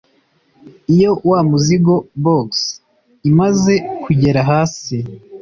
Iyo wa muzigo (Box) imaze kugera hasi